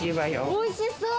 おいしそう！